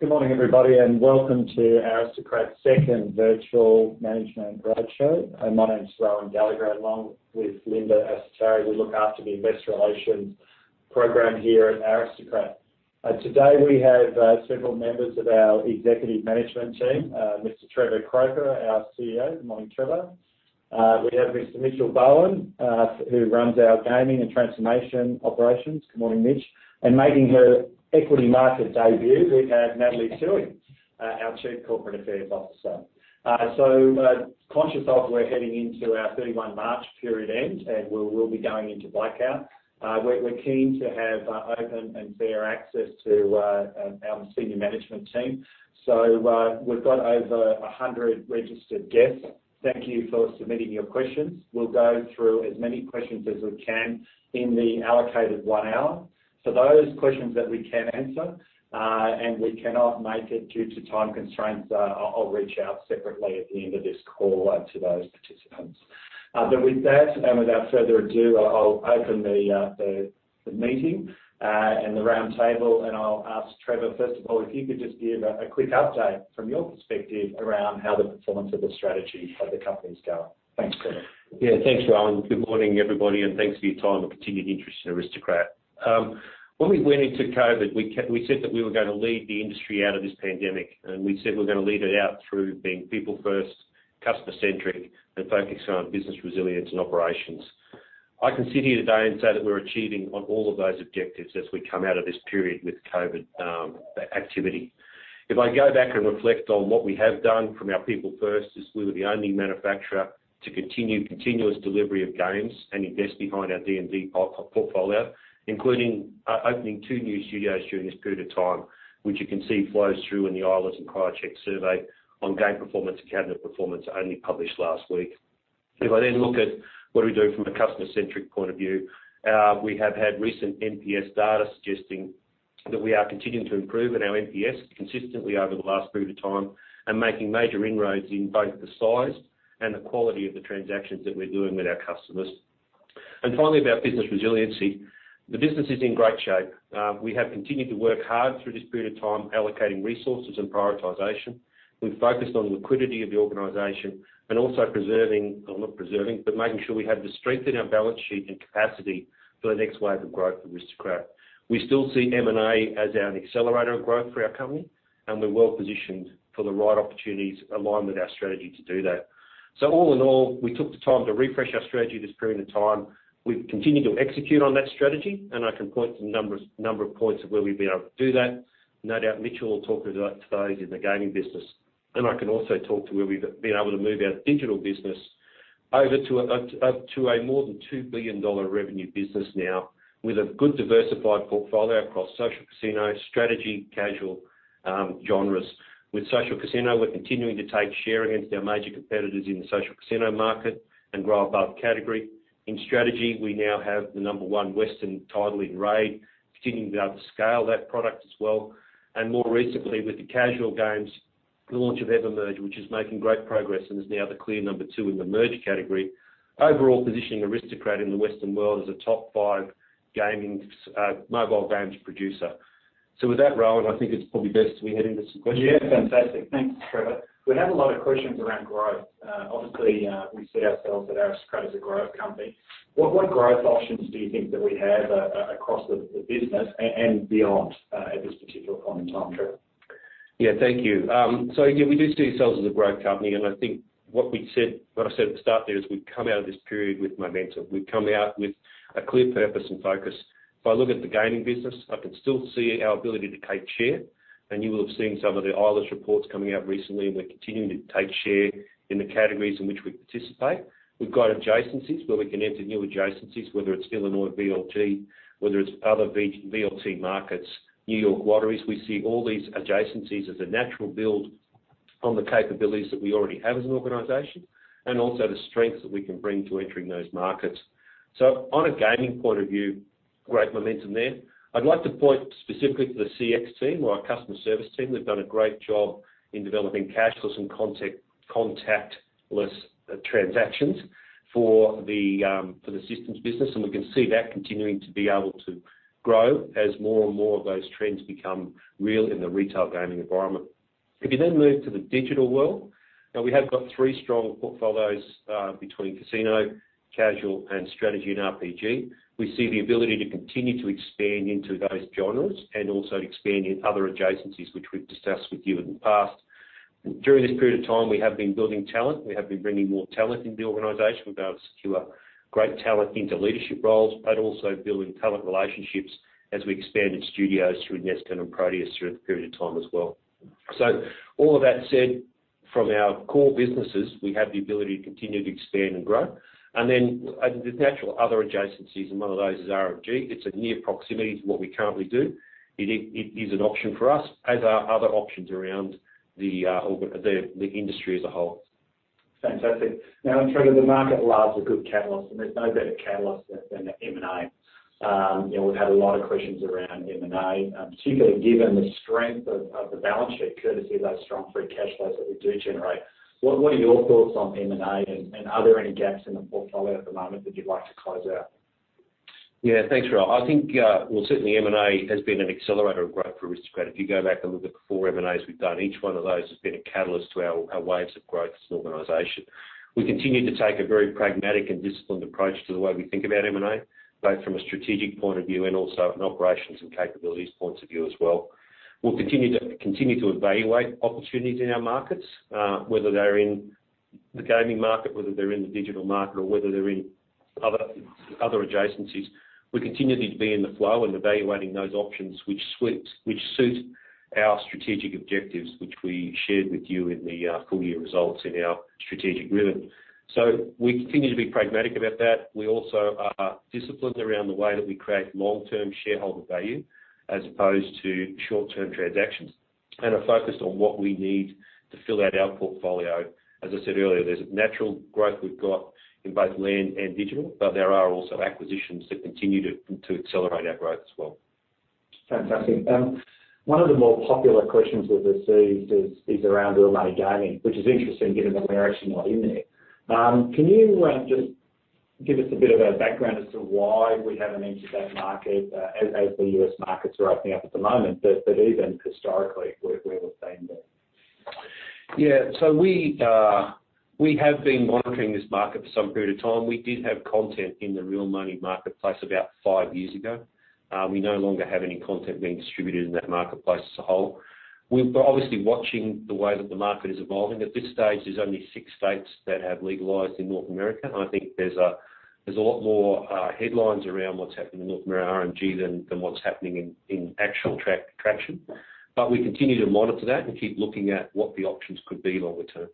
Good morning, everybody, and welcome to Aristocrat's second virtual management roadshow. My name's Rohan Gallagher, and along with Linda Assolari, we look after the Investor Relations program here at Aristocrat. Today we have several members of our executive management team: Mr. Trevor Croker, our CEO, good morning, Trevor. We have Mr. Mitchell Bowen, who runs our gaming and transformation operations, good morning, Mitch. Making her equity market debut, we have Natalie Toohey, our Chief Corporate Affairs Officer. Conscious of we're heading into our 31 March period end and we'll be going into blackout, we're keen to have open and fair access to our senior management team. We've got over 100 registered guests. Thank you for submitting your questions. We'll go through as many questions as we can in the allocated one hour. For those questions that we can answer, and we cannot make it due to time constraints, I'll reach out separately at the end of this call to those participants. With that, without further ado, I'll open the meeting and the round table, and I'll ask Trevor, first of all, if you could just give a quick update from your perspective around how the performance of the strategy of the company's gone. Thanks, Trevor. Yeah, thanks, Rohan. Good morning, everybody, and thanks for your time and continued interest in Aristocrat. When we went into COVID, we said that we were going to lead the industry out of this pandemic, and we said we were going to lead it out through being people-first, customer-centric, and focusing on business resilience and operations. I can sit here today and say that we are achieving on all of those objectives as we come out of this period with COVID activity. If I go back and reflect on what we have done from our people-first, as we were the only manufacturer to continue continuous delivery of games and invest behind our D&D portfolio, including opening two new studios during this period of time, which you can see flows through in the Eilers & Krejcik Gaming survey on game performance and cabinet performance, only published last week. If I then look at what do we do from a customer-centric point of view, we have had recent NPS data suggesting that we are continuing to improve in our NPS consistently over the last period of time and making major inroads in both the size and the quality of the transactions that we're doing with our customers. Finally, about business resiliency, the business is in great shape. We have continued to work hard through this period of time, allocating resources and prioritization. We've focused on liquidity of the organization and also preserving, or not preserving, but making sure we have the strength in our balance sheet and capacity for the next wave of growth of Aristocrat. We still see M&A as an accelerator of growth for our company, and we're well positioned for the right opportunities aligned with our strategy to do that. All in all, we took the time to refresh our strategy this period of time. We've continued to execute on that strategy, and I can point to a number of points of where we've been able to do that. No doubt, Mitchell will talk to those in the gaming business. I can also talk to where we've been able to move our digital business over to a more than $2 billion revenue business now, with a good diversified portfolio across social casino, strategy, casual genres. With social casino, we're continuing to take share against our major competitors in the social casino market and grow above category. In strategy, we now have the number one Western title in Raid, continuing to scale that product as well. More recently, with the casual games, the launch of EverMerge, which is making great progress and is now the clear number two in the merge category, overall positioning Aristocrat in the Western world as a top five mobile games producer. With that, Rohan, I think it's probably best we head into some questions. Yeah, fantastic. Thanks, Trevor. We have a lot of questions around growth. Obviously, we see ourselves at Aristocrat as a growth company. What growth options do you think that we have across the business and beyond at this particular point in time, Trevor? Yeah, thank you. Yeah, we do see ourselves as a growth company, and I think what we said, what I said at the start there is we've come out of this period with momentum. We've come out with a clear purpose and focus. If I look at the gaming business, I can still see our ability to take share, and you will have seen some of the Eilers reports coming out recently, and we're continuing to take share in the categories in which we participate. We've got adjacencies where we can enter new adjacencies, whether it's Illinois, VLT, whether it's other VLT markets, New York Lottery. We see all these adjacencies as a natural build on the capabilities that we already have as an organization and also the strengths that we can bring to entering those markets. On a gaming point of view, great momentum there. I'd like to point specifically to the CX team or our customer service team. They've done a great job in developing cashless and contactless transactions for the systems business, and we can see that continuing to be able to grow as more and more of those trends become real in the retail gaming environment. If you then move to the digital world, now we have got three strong portfolios between casino, casual, and strategy and RPG. We see the ability to continue to expand into those genres and also expand in other adjacencies, which we've discussed with you in the past. During this period of time, we have been building talent. We have been bringing more talent into the organization. We've been able to secure great talent into leadership roles, but also building talent relationships as we expand in studios through Neskin and Proteus through the period of time as well. All of that said, from our core businesses, we have the ability to continue to expand and grow. There are natural other adjacencies, and one of those is RMG. It's a near proximity to what we currently do. It is an option for us, as are other options around the industry as a whole. Fantastic. Now, Trevor, the market loves a good catalyst, and there's no better catalyst than M&A. We've had a lot of questions around M&A, particularly given the strength of the balance sheet courtesy of those strong free cash flows that we do generate. What are your thoughts on M&A, and are there any gaps in the portfolio at the moment that you'd like to close out? Yeah, thanks, Rohan. I think, certainly M&A has been an accelerator of growth for Aristocrat. If you go back and look at the four M&As we've done, each one of those has been a catalyst to our waves of growth as an organization. We continue to take a very pragmatic and disciplined approach to the way we think about M&A, both from a strategic point of view and also an operations and capabilities point of view as well. We'll continue to evaluate opportunities in our markets, whether they're in the gaming market, whether they're in the digital market, or whether they're in other adjacencies. We continue to be in the flow and evaluating those options which suit our strategic objectives, which we shared with you in the full year results in our strategic driven. We continue to be pragmatic about that. We also are disciplined around the way that we create long-term shareholder value as opposed to short-term transactions and are focused on what we need to fill out our portfolio. As I said earlier, there is natural growth we have in both land and digital, but there are also acquisitions that continue to accelerate our growth as well. Fantastic. One of the more popular questions we've received is around real money gaming, which is interesting given that we're actually not in there. Can you just give us a bit of a background as to why we haven't entered that market as the US markets are opening up at the moment, but even historically, where we've been? Yeah, so we have been monitoring this market for some period of time. We did have content in the real money marketplace about five years ago. We no longer have any content being distributed in that marketplace as a whole. We're obviously watching the way that the market is evolving. At this stage, there's only six states that have legalized in North America, and I think there's a lot more headlines around what's happening in North America, RMG, than what's happening in actual traction. We continue to monitor that and keep looking at what the options could be longer term.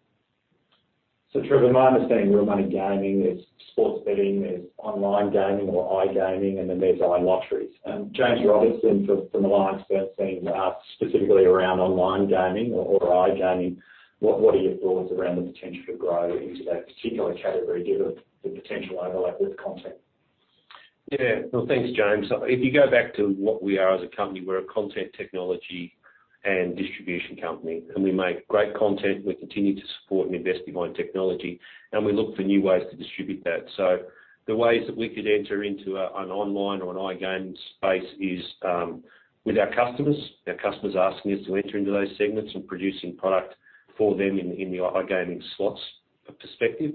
Trevor, my understanding, real money gaming, there's sports betting, there's online gaming or iGaming, and then there's iLotteries. James Robertson from the Lion experience team asks specifically around online gaming or iGaming. What are your thoughts around the potential to grow into that particular category given the potential overlap with content? Yeah, thanks, James. If you go back to what we are as a company, we're a content technology and distribution company, and we make great content. We continue to support and invest behind technology, and we look for new ways to distribute that. The ways that we could enter into an online or an iGaming space is with our customers. Our customers are asking us to enter into those segments and producing product for them in the iGaming slots perspective.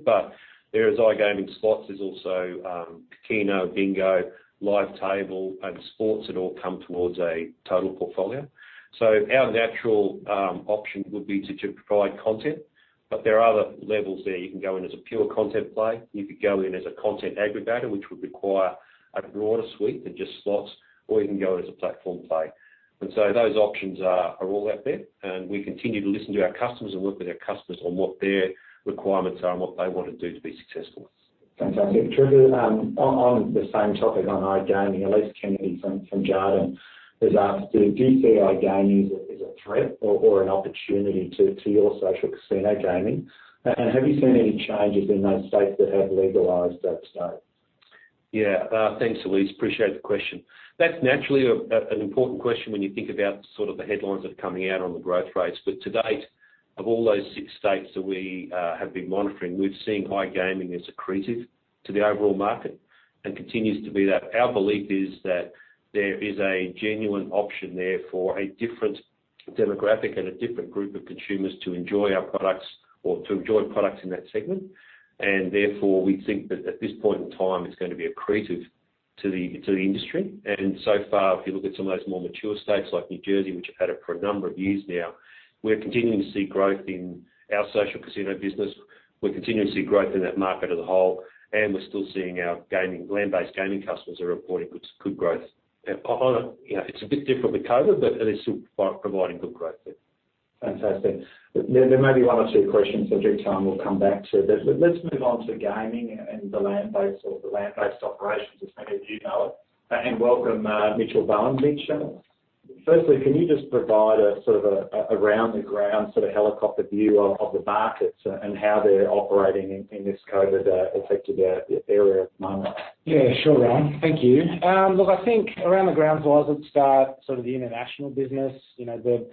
There is iGaming slots. There's also casino, bingo, live table, and sports that all come towards a total portfolio. Our natural option would be to provide content, but there are other levels there. You can go in as a pure content play. You could go in as a content aggregator, which would require a broader suite than just slots, or you can go in as a platform play. Those options are all out there, and we continue to listen to our customers and work with our customers on what their requirements are and what they want to do to be successful. Fantastic. Trevor, on the same topic on iGaming, Elise Kennedy from Jarden has asked, do you see iGaming as a threat or an opportunity to your social casino gaming? Have you seen any changes in those states that have legalized at this date? Yeah, thanks, Alice. Appreciate the question. That's naturally an important question when you think about the sort of the headlines that are coming out on the growth race. To date, of all those six states that we have been monitoring, we've seen iGaming as accretive to the overall market and continues to be that. Our belief is that there is a genuine option there for a different demographic and a different group of consumers to enjoy our products or to enjoy products in that segment. Therefore, we think that at this point in time, it's going to be accretive to the industry. So far, if you look at some of those more mature states like New Jersey, which have had it for a number of years now, we're continuing to see growth in our social casino business. We're continuing to see growth in that market as a whole, and we're still seeing our land-based gaming customers are reporting good growth. It's a bit different with COVID, but they're still providing good growth there. Fantastic. There may be one or two questions, so I'll take time. We'll come back to it. Let's move on to gaming and the land-based operations as many of you know it. Welcome, Mitchell Bowen. Mitchell, firstly, can you just provide a sort of a round-the-ground sort of helicopter view of the markets and how they're operating in this COVID-affected area at the moment? Yeah, sure, Rohan. Thank you. Look, I think around the grounds wise, let's start sort of the international business. The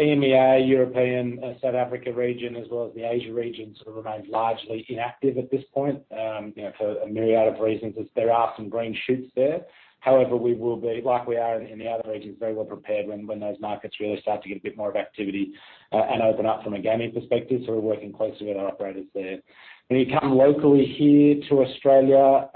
EMEA, European South Africa region, as well as the Asia region, sort of remains largely inactive at this point for a myriad of reasons. There are some green shoots there. However, we will be, like we are in the other regions, very well prepared when those markets really start to get a bit more of activity and open up from a gaming perspective. We are working closely with our operators there. When you come locally here to Australia,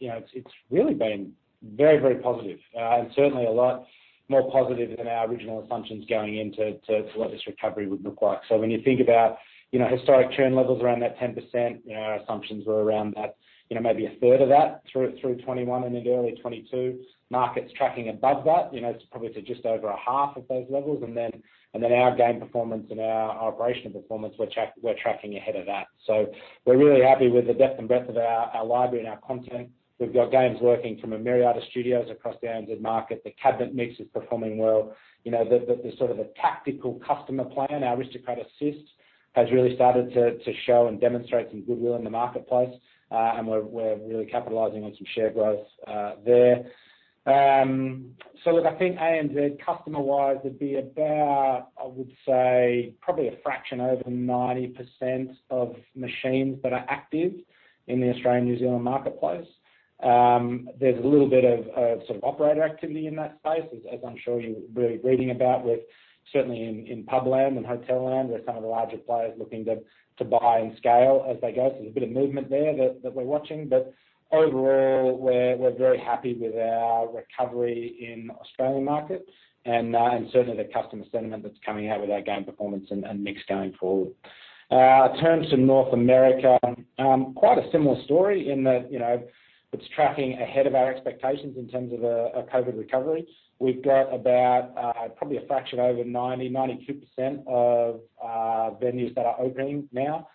it's really been very, very positive and certainly a lot more positive than our original assumptions going into what this recovery would look like. When you think about historic churn levels around that 10%, our assumptions were around maybe a third of that through 2021 and into early 2022. Markets tracking above that, probably to just over half of those levels. Our game performance and our operational performance, we're tracking ahead of that. We're really happy with the depth and breadth of our library and our content. We've got games working from a myriad of studios across the ANZ market. The cabinet mix is performing well. The sort of tactical customer plan, our Aristocrat Assist, has really started to show and demonstrate some goodwill in the marketplace, and we're really capitalizing on some share growth there. I think ANZ customer-wise would be about, I would say, probably a fraction over 90% of machines that are active in the Australian New Zealand marketplace. There's a little bit of sort of operator activity in that space, as I'm sure you're really reading about, with certainly in pub land and hotel land, where some of the larger players are looking to buy and scale as they go. There is a bit of movement there that we're watching. Overall, we're very happy with our recovery in the Australian market and certainly the customer sentiment that's coming out with our game performance and mix going forward. I turn to North America. Quite a similar story in that it's tracking ahead of our expectations in terms of a COVID recovery. We've got about probably a fraction over 90, 92% of venues that are opening now.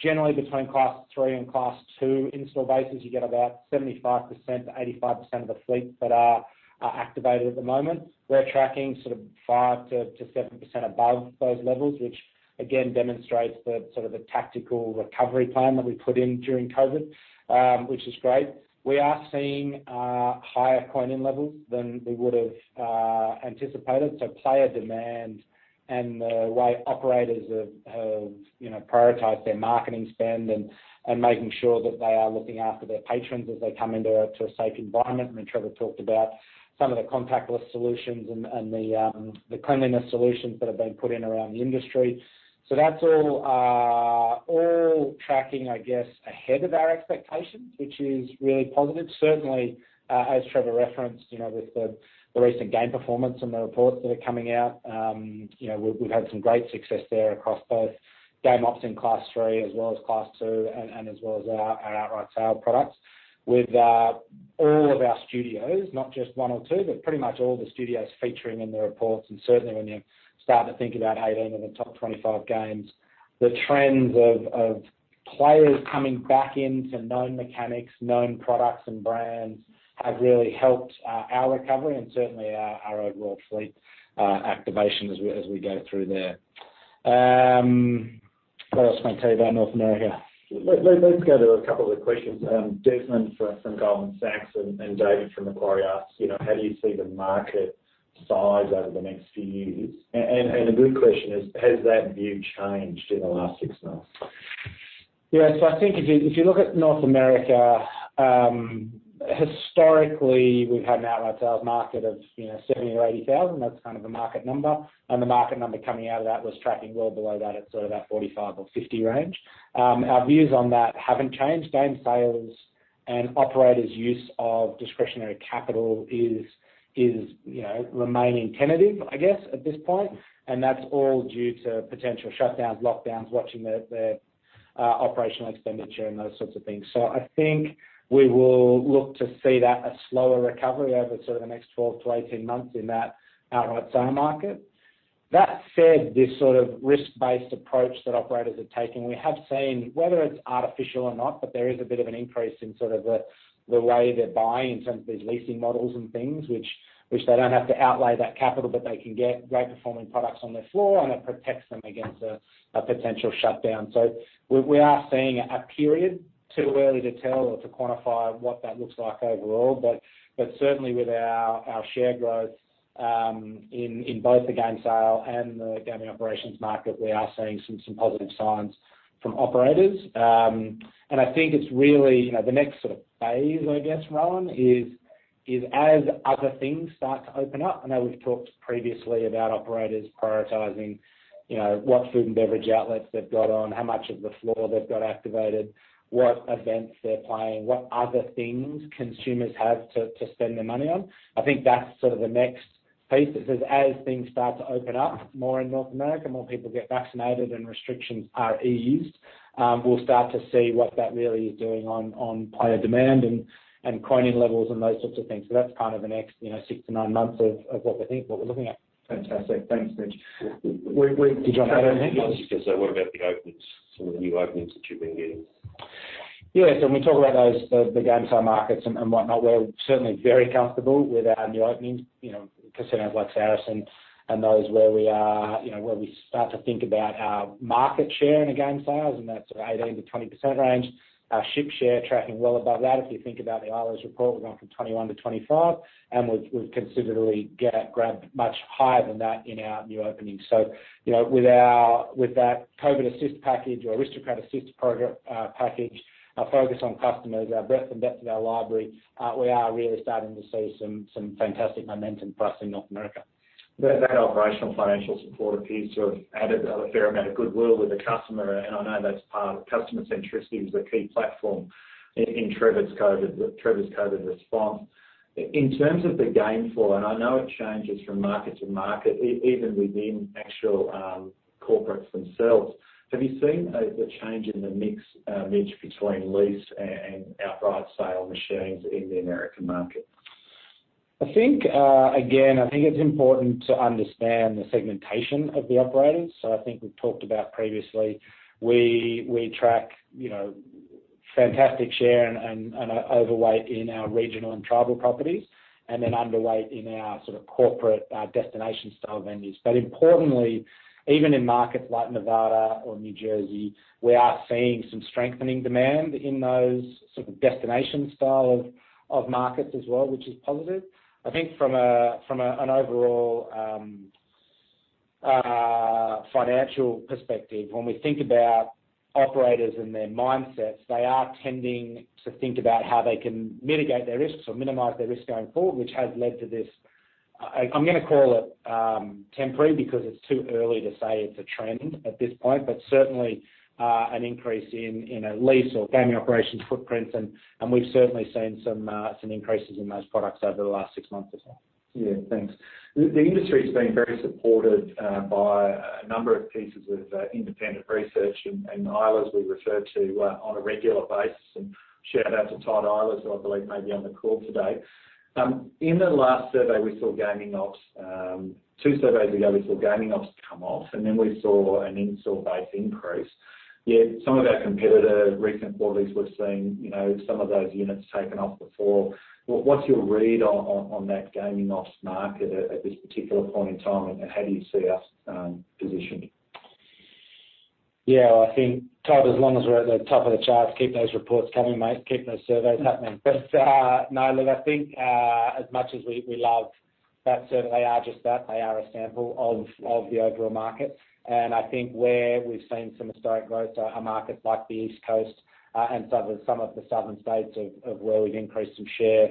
Generally, between class three and class two install bases, you get about 75%-85% of the fleet that are activated at the moment. We're tracking sort of 5%-7% above those levels, which again demonstrates the sort of tactical recovery plan that we put in during COVID, which is great. We are seeing higher coin-in levels than we would have anticipated. Player demand and the way operators have prioritized their marketing spend and making sure that they are looking after their patrons as they come into a safe environment. Trevor talked about some of the contactless solutions and the cleanliness solutions that have been put in around the industry. That's all tracking, I guess, ahead of our expectations, which is really positive. Certainly, as Trevor referenced with the recent game performance and the reports that are coming out, we've had some great success there across both game ops in class three as well as class two and as well as our outright sale products with all of our studios, not just one or two, but pretty much all the studios featuring in the reports. Certainly, when you start to think about 18 of the top 25 games, the trends of players coming back into known mechanics, known products, and brands have really helped our recovery and certainly our overall fleet activation as we go through there. What else can I tell you about North America? Let's go to a couple of the questions. Desmond from Goldman Sachs and David from Macquarie ask, how do you see the market size over the next few years? A good question is, has that view changed in the last six months? Yeah, so I think if you look at North America, historically, we've had an outright sales market of 70,000-80,000. That's kind of a market number. The market number coming out of that was tracking well below that at sort of that 45,000 or 50,000 range. Our views on that haven't changed. Game sales and operators' use of discretionary capital is remaining tentative, I guess, at this point. That's all due to potential shutdowns, lockdowns, watching their operational expenditure and those sorts of things. I think we will look to see a slower recovery over the next 12-18 months in that outright sale market. That said, this sort of risk-based approach that operators are taking, we have seen, whether it's artificial or not, but there is a bit of an increase in sort of the way they're buying in terms of these leasing models and things, which they don't have to outlay that capital, but they can get great-performing products on their floor, and it protects them against a potential shutdown. We are seeing a period. Too early to tell or to quantify what that looks like overall. Certainly, with our share growth in both the game sale and the gaming operations market, we are seeing some positive signs from operators. I think it's really the next sort of phase, I guess, Rohan, is as other things start to open up. I know we've talked previously about operators prioritizing what food and beverage outlets they've got on, how much of the floor they've got activated, what events they're playing, what other things consumers have to spend their money on. I think that's sort of the next phase that says as things start to open up more in North America, more people get vaccinated and restrictions are eased, we'll start to see what that really is doing on player demand and coining levels and those sorts of things. That's kind of the next six to nine months of what we think what we're looking at. Fantastic. Thanks, Mitch. Did you want to add anything? Just what about the openings, some of the new openings that you've been getting? Yeah, so when we talk about the game sale markets and whatnot, we're certainly very comfortable with our new openings. Casinos like Saracen and those where we start to think about our market share in the game sales, and that's 18%-20% range. Our ship share tracking well above that. If you think about the Eilers report, we're going from 21%-25%, and we've considerably grabbed much higher than that in our new openings. With that COVID Assist package or Aristocrat Assist package, our focus on customers, our breadth and depth of our library, we are really starting to see some fantastic momentum for us in North America. That operational financial support appears to have added a fair amount of goodwill with the customer. I know that is part of customer centricity, which is a key platform in Trevor's COVID response. In terms of the game floor, and I know it changes from market to market, even within actual corporates themselves, have you seen the change in the mix, Mitch, between lease and outright sale machines in the American market? I think, again, I think it's important to understand the segmentation of the operators. I think we've talked about previously, we track fantastic share and overweight in our regional and tribal properties and then underweight in our sort of corporate destination style venues. Importantly, even in markets like Nevada or New Jersey, we are seeing some strengthening demand in those sort of destination style of markets as well, which is positive. I think from an overall financial perspective, when we think about operators and their mindsets, they are tending to think about how they can mitigate their risks or minimize their risks going forward, which has led to this. I'm going to call it temporary because it's too early to say it's a trend at this point, but certainly an increase in lease or gaming operations footprints. We have certainly seen some increases in those products over the last six months or so. Yeah, thanks. The industry's been very supported by a number of pieces of independent research, and Eilers we refer to on a regular basis. Shout out to Todd Eilers who I believe may be on the call today. In the last survey, we saw gaming ops. Two surveys ago, we saw gaming ops come off, and then we saw an install base increase. Some of our competitor recent quarterlies, we've seen some of those units taken off the floor. What's your read on that gaming ops market at this particular point in time, and how do you see us positioned? Yeah, I think, Todd, as long as we're at the top of the charts, keep those reports coming, mate, keep those surveys happening. No, look, I think as much as we love that survey, they are just that. They are a sample of the overall market. I think where we've seen some historic growth, our markets like the East Coast and some of the southern states are where we've increased some share.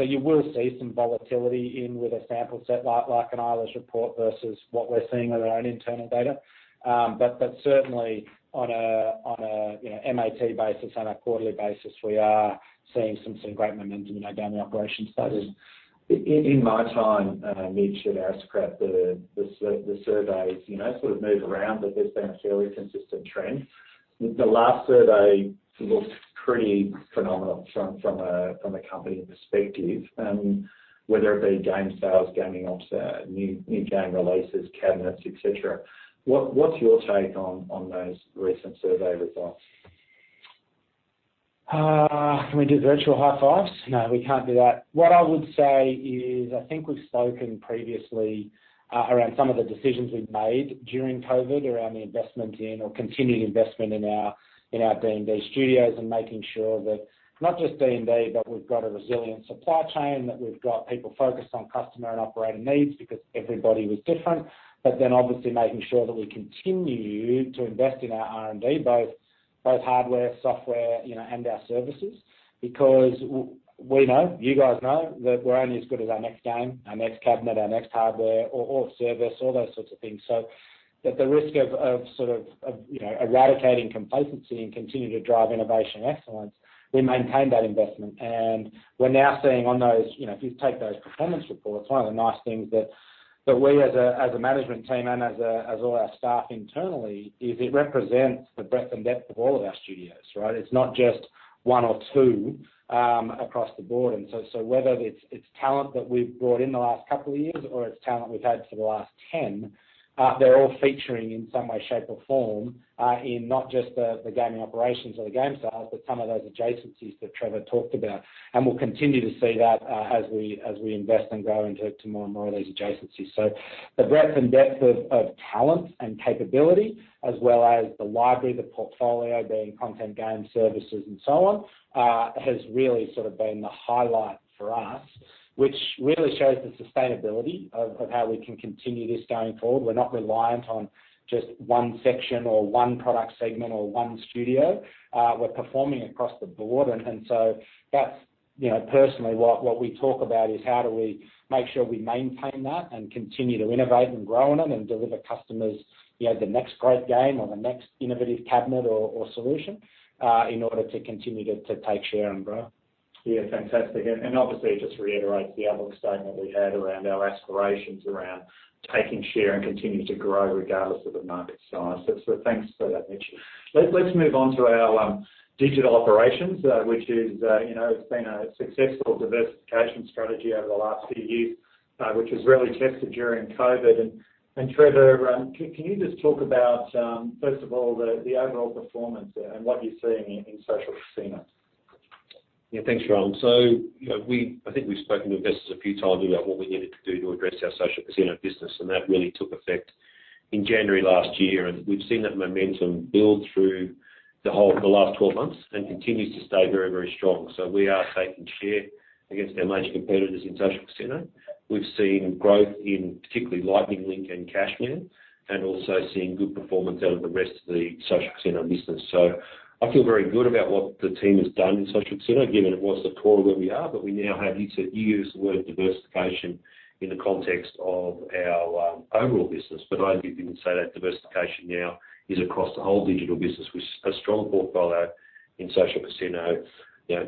You will see some volatility with a sample set like an Eilers report versus what we're seeing of our own internal data. Certainly, on an MAT basis, on a quarterly basis, we are seeing some great momentum in our gaming operations space. In my time, Mitch at Aristocrat, the surveys sort of move around, but there's been a fairly consistent trend. The last survey looked pretty phenomenal from a company perspective, whether it be game sales, gaming ops, new game releases, cabinets, etc. What's your take on those recent survey results? Can we do virtual high fives? No, we can't do that. What I would say is I think we've spoken previously around some of the decisions we've made during COVID around the investment in or continued investment in our D&D studios and making sure that not just D&D, but we've got a resilient supply chain, that we've got people focused on customer and operator needs because everybody was different. Obviously, making sure that we continue to invest in our R&D, both hardware, software, and our services because we know, you guys know, that we're only as good as our next game, our next cabinet, our next hardware or service, all those sorts of things. At the risk of sort of eradicating complacency and continue to drive innovation and excellence, we maintain that investment. We are now seeing on those, if you take those performance reports, one of the nice things that we as a management team and as all our staff internally see is it represents the breadth and depth of all of our studios, right? It is not just one or two across the board. Whether it is talent that we have brought in the last couple of years or it is talent we have had for the last 10, they are all featuring in some way, shape, or form in not just the gaming operations or the game sales, but some of those adjacencies that Trevor talked about. We will continue to see that as we invest and grow into more and more of these adjacencies. The breadth and depth of talent and capability, as well as the library, the portfolio being content, game, services, and so on, has really sort of been the highlight for us, which really shows the sustainability of how we can continue this going forward. We're not reliant on just one section or one product segment or one studio. We're performing across the board. That's personally what we talk about is how do we make sure we maintain that and continue to innovate and grow on it and deliver customers the next great game or the next innovative cabinet or solution in order to continue to take share and grow. Yeah, fantastic. It just reiterates the outlook statement we had around our aspirations around taking share and continuing to grow regardless of the market size. Thanks for that, Mitch. Let's move on to our digital operations, which has been a successful diversification strategy over the last few years, which was really tested during COVID. Trevor, can you just talk about, first of all, the overall performance and what you're seeing in social casino? Yeah, thanks, Rohan. I think we've spoken to investors a few times about what we needed to do to address our social casino business. That really took effect in January last year. We've seen that momentum build through the last 12 months and it continues to stay very, very strong. We are taking share against our major competitors in social casino. We've seen growth in particularly Lightning Link and Cash Express and also seeing good performance out of the rest of the social casino business. I feel very good about what the team has done in social casino, given it was the core of where we are. We now have used the word diversification in the context of our overall business. I didn't say that diversification now is across the whole digital business. We're a strong portfolio in social casino,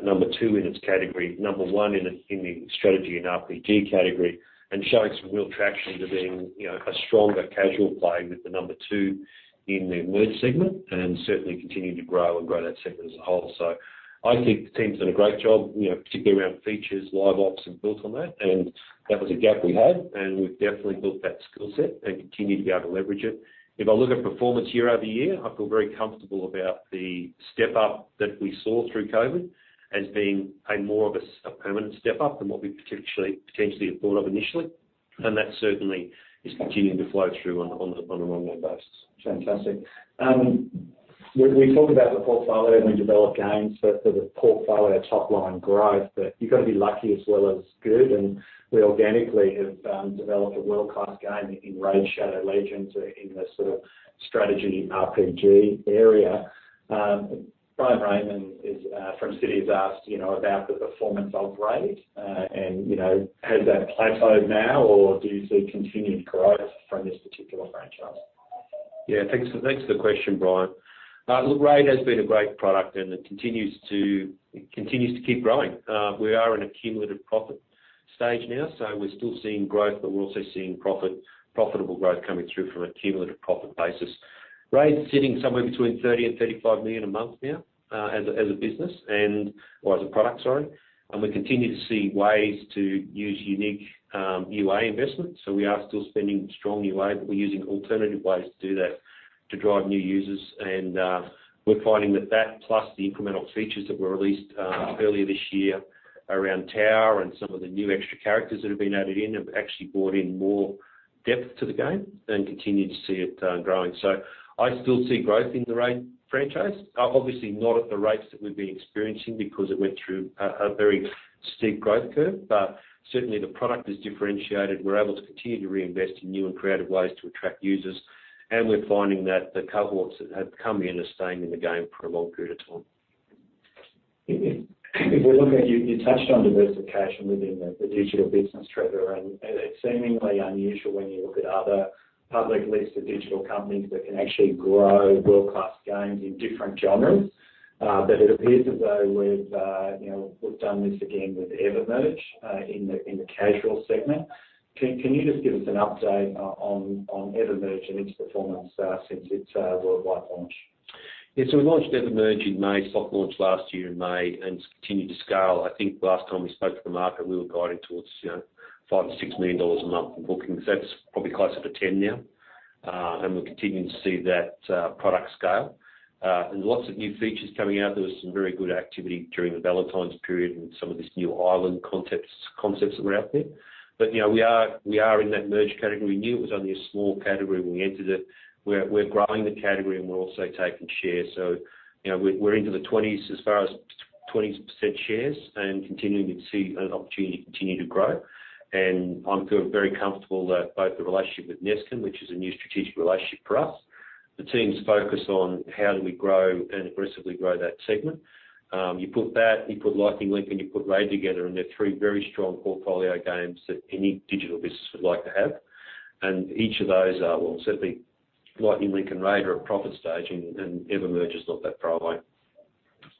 number two in its category, number one in the strategy and RPG category, and showing some real traction to being a stronger casual player with the number two in the merge segment and certainly continuing to grow and grow that segment as a whole. I think the team's done a great job, particularly around features, live ops, and built on that. That was a gap we had. We've definitely built that skill set and continue to be able to leverage it. If I look at performance year over year, I feel very comfortable about the step-up that we saw through COVID as being more of a permanent step-up than what we potentially had thought of initially. That certainly is continuing to flow through on an ongoing basis. Fantastic. We talk about the portfolio and we develop games for the portfolio top-line growth, but you have got to be lucky as well as good. We organically have developed a world-class game in Raid: Shadow Legends in the sort of strategy RPG area. Bryan Raymond from Citi has asked about the performance of Raid. Has that plateaued now, or do you see continued growth from this particular franchise? Yeah, thanks for the question, Brian. Look, Raid has been a great product and continues to keep growing. We are in an accumulative profit stage now. We're still seeing growth, but we're also seeing profitable growth coming through from an accumulative profit basis. Raid's sitting somewhere between $30 million-$35 million a month now as a business or as a product, sorry. We continue to see ways to use unique UA investment. We are still spending strong UA, but we're using alternative ways to do that to drive new users. We're finding that that, plus the incremental features that were released earlier this year around Tower and some of the new extra characters that have been added in, have actually brought in more depth to the game and continue to see it growing. I still see growth in the Raid franchise, obviously not at the rates that we've been experiencing because it went through a very steep growth curve. Certainly, the product is differentiated. We're able to continue to reinvest in new and creative ways to attract users. We're finding that the cohorts that have come in are staying in the game for a long period of time. If we look at you, you touched on diversification within the digital business, Trevor. It is seemingly unusual when you look at other publicly listed digital companies that can actually grow world-class games in different genres. It appears as though we have done this again with EverMerge in the casual segment. Can you just give us an update on EverMerge and its performance since its worldwide launch? Yeah, so we launched EverMerge in May, soft launched last year in May, and it's continued to scale. I think last time we spoke to the market, we were guiding towards $5 million-$6 million a month in bookings. That's probably closer to $10 million now. We're continuing to see that product scale. Lots of new features coming out. There was some very good activity during the Valentine's period and some of these new island concepts that were out there. We are in that merge category. Knew it was only a small category when we entered it. We're growing the category, and we're also taking share. We're into the 20s as far as 20% shares and continuing to see an opportunity to continue to grow. I feel very comfortable that both the relationship with Neskin, which is a new strategic relationship for us, the team's focus on how do we grow and aggressively grow that segment. You put that, you put Lightning Link, and you put Raid together, and they're three very strong portfolio games that any digital business would like to have. Each of those are, well, certainly Lightning Link and Raid are at profit stage, and EverMerge is not that far away.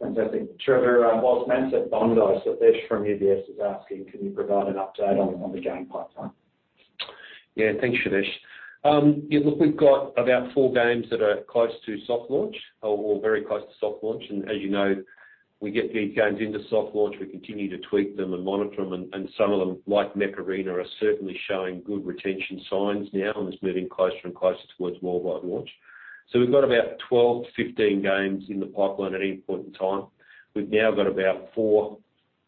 Fantastic. Trevor, whilst Mancep Bondo, Sudhesh from UBS is asking, can you provide an update on the game pipeline? Yeah, thanks, Sudhesh. Yeah, look, we've got about four games that are close to soft launch or very close to soft launch. As you know, we get these games into soft launch. We continue to tweak them and monitor them. Some of them, like Mech Arena, are certainly showing good retention signs now and is moving closer and closer towards worldwide launch. We've got about 12-15 games in the pipeline at any point in time. We've now got about four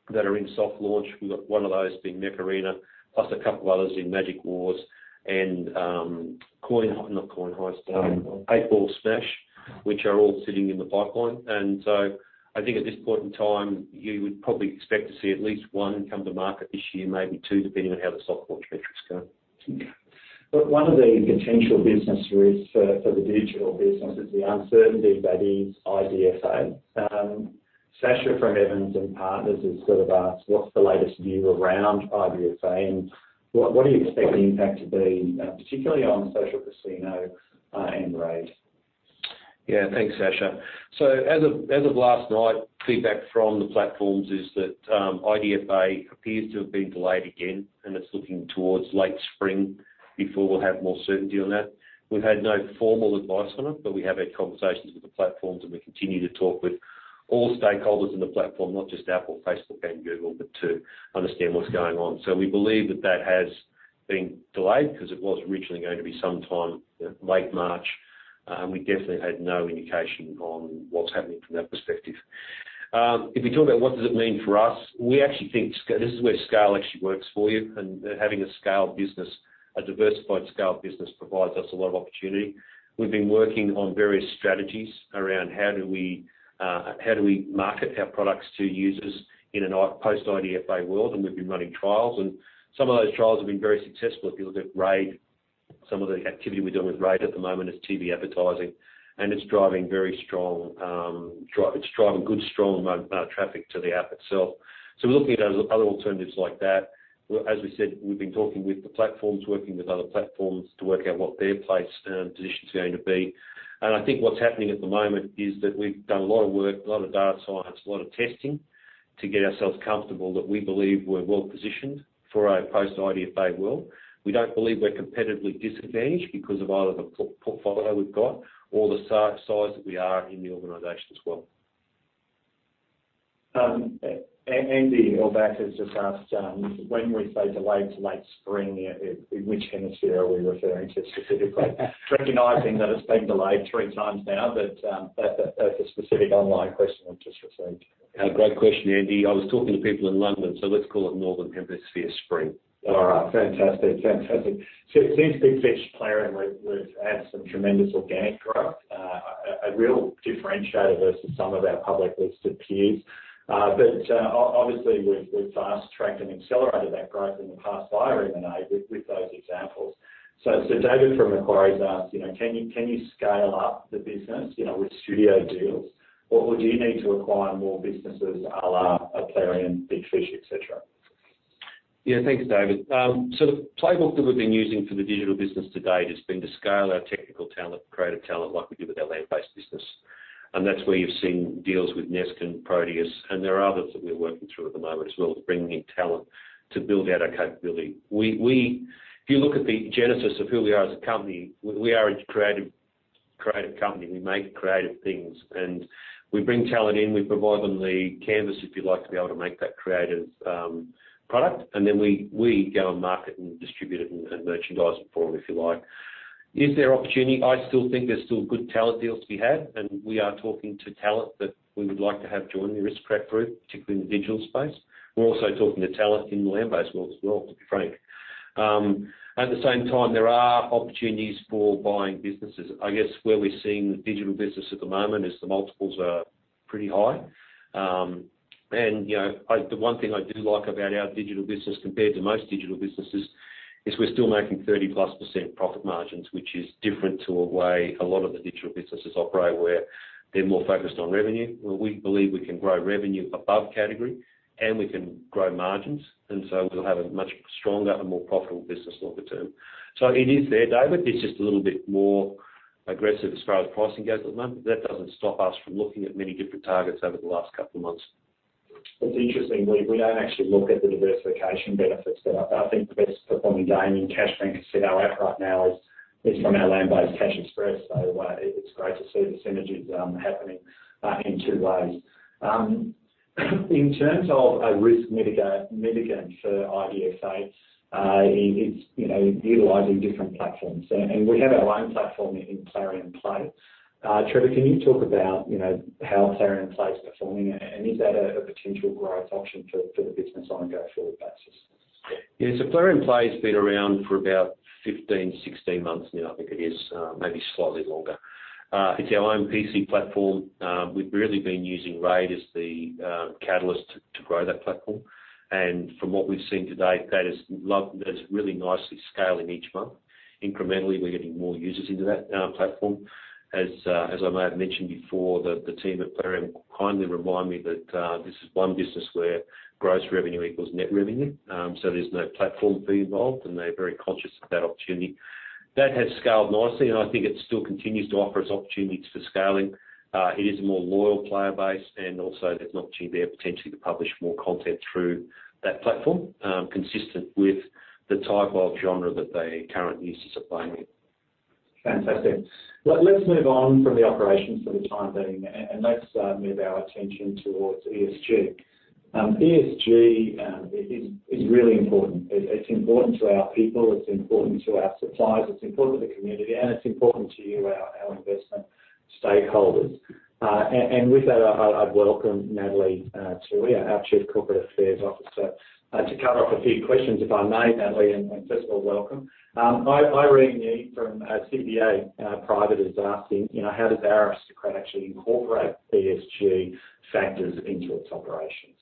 that are in soft launch. We've got one of those being Mech Arena, plus a couple of others in Magic Wars and Coin High, not Coin High, Eightball Smash, which are all sitting in the pipeline. I think at this point in time, you would probably expect to see at least one come to market this year, maybe two, depending on how the soft launch metrics go. One of the potential business risks for the digital business is the uncertainty that is IDFA. Sacha from Evans & Partners has sort of asked, what's the latest view around IDFA? What do you expect the impact to be, particularly on social casino and Raid? Yeah, thanks, Sacha. As of last night, feedback from the platforms is that IDFA appears to have been delayed again, and it's looking towards late spring before we'll have more certainty on that. We've had no formal advice on it, but we have had conversations with the platforms, and we continue to talk with all stakeholders in the platform, not just Apple, Facebook, and Google, but to understand what's going on. We believe that that has been delayed because it was originally going to be sometime late March. We definitely had no indication on what's happening from that perspective. If we talk about what does it mean for us, we actually think this is where scale actually works for you. Having a scale business, a diversified scale business, provides us a lot of opportunity. We've been working on various strategies around how do we market our products to users in a post-IDFA world. We've been running trials. Some of those trials have been very successful. If you look at Raid, some of the activity we're doing with Raid at the moment is TV advertising. It's driving very strong. It's driving good, strong traffic to the app itself. We're looking at other alternatives like that. As we said, we've been talking with the platforms, working with other platforms to work out what their place and position is going to be. I think what's happening at the moment is that we've done a lot of work, a lot of data science, a lot of testing to get ourselves comfortable that we believe we're well positioned for a post-IDFA world. We don't believe we're competitively disadvantaged because of either the portfolio we've got or the size that we are in the organization as well. Andy Auerbach has just asked, when we say delayed to late spring, which hemisphere are we referring to specifically? Recognizing that it's been delayed three times now, but that's a specific online question we've just received. Great question, Andy. I was talking to people in London, so let's call it Northern Hemisphere spring. All right, fantastic, fantastic. It seems Big Fish, Plarium, and Raid have had some tremendous organic growth, a real differentiator versus some of our public listed peers. Obviously, we have fast-tracked and accelerated that growth in the past via M&A with those examples. David from Macquarie has asked, can you scale up the business with studio deals, or do you need to acquire more businesses, Alaa, Plarium, Big Fish, etc.? Yeah, thanks, David. The playbook that we've been using for the digital business to date has been to scale our technical talent, creative talent, like we do with our land-based business. That's where you've seen deals with Neskin, Proteus. There are others that we're working through at the moment as well as bringing in talent to build out our capability. If you look at the genesis of who we are as a company, we are a creative company. We make creative things. We bring talent in. We provide them the canvas, if you like, to be able to make that creative product. We go and market and distribute it and merchandise it for them, if you like. Is there opportunity? I still think there's still good talent deals to be had. We are talking to talent that we would like to have join the risk group, particularly in the digital space. We are also talking to talent in the land-based world as well, to be frank. At the same time, there are opportunities for buying businesses. I guess where we are seeing the digital business at the moment is the multiples are pretty high. The one thing I do like about our digital business compared to most digital businesses is we are still making 30+% profit margins, which is different to the way a lot of the digital businesses operate where they are more focused on revenue. We believe we can grow revenue above category, and we can grow margins. We will have a much stronger and more profitable business longer term. It is there, David. It's just a little bit more aggressive as far as pricing goes at the moment. That doesn't stop us from looking at many different targets over the last couple of months. That's interesting. We don't actually look at the diversification benefits. I think the best performing game in Cashman to set our app right now is from our land-based Cash Express. It's great to see the synergies happening in two ways. In terms of a risk mitigant for IDFA, it's utilizing different platforms. We have our own platform in Plarium Play. Trevor, can you talk about how Plarium Play is performing? Is that a potential growth option for the business on a go-forward basis? Yeah, Plarium Play has been around for about 15, 16 months now, I think it is, maybe slightly longer. It is our own PC platform. We have really been using Raid as the catalyst to grow that platform. From what we have seen to date, that is really nicely scaling each month. Incrementally, we are getting more users into that platform. As I may have mentioned before, the team at Plarium kindly remind me that this is one business where gross revenue equals net revenue. There is no platform fee involved, and they are very conscious of that opportunity. That has scaled nicely. I think it still continues to offer us opportunities for scaling. It is a more loyal player base. Also, there is an opportunity there potentially to publish more content through that platform, consistent with the type of genre that they currently use to supply me. Fantastic. Let's move on from the operations for the time being. Let's move our attention towards ESG. ESG is really important. It's important to our people. It's important to our suppliers. It's important to the community. It's important to you, our investment stakeholders. With that, I'd welcome Natalie Toohey, our Chief Corporate Affairs Officer, to cover up a few questions, if I may, Natalie. First of all, welcome. Irene Yi from CBA Private is asking, how does Aristocrat actually incorporate ESG factors into its operations?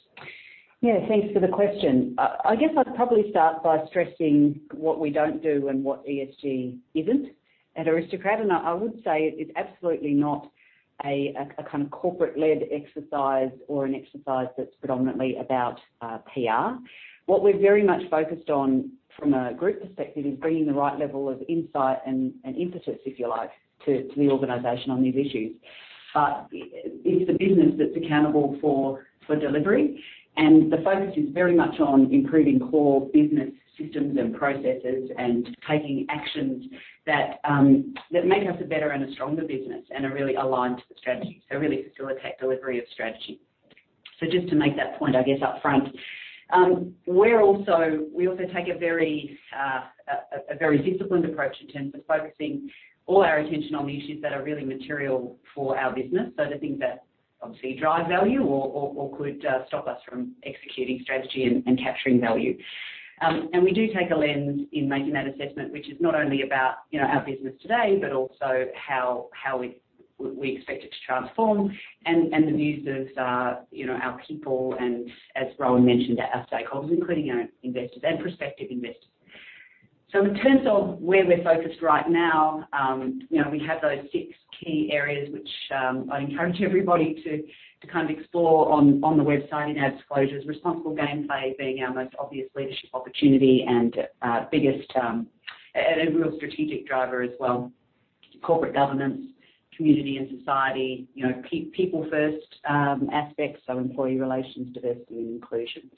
Yeah, thanks for the question. I guess I'd probably start by stressing what we don't do and what ESG isn't at Aristocrat. I would say it's absolutely not a kind of corporate-led exercise or an exercise that's predominantly about PR. What we're very much focused on from a group perspective is bringing the right level of insight and impetus, if you like, to the organization on these issues. It's the business that's accountable for delivery. The focus is very much on improving core business systems and processes and taking actions that make us a better and a stronger business and are really aligned to the strategy, so really facilitate delivery of strategy. Just to make that point, I guess upfront, we also take a very disciplined approach in terms of focusing all our attention on the issues that are really material for our business, so the things that obviously drive value or could stop us from executing strategy and capturing value. We do take a lens in making that assessment, which is not only about our business today, but also how we expect it to transform and the views of our people and, as Rohan mentioned, our stakeholders, including our investors and prospective investors. In terms of where we're focused right now, we have those six key areas, which I'd encourage everybody to kind of explore on the website in our disclosures: responsible gameplay being our most obvious leadership opportunity and a real strategic driver as well, corporate governance, community and society, people-first aspects, so employee relations, diversity, and inclusion,